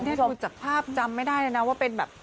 นี่คือจากภาพจำไม่ได้เลยนะว่าเป็นแบบ